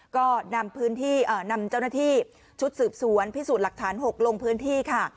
ก็นำพื้นที่นำเจ้าหน้าที่ชุดสืบสวนพิสูจน์หลักฐาน๖ลงพื้นที่ค่ะ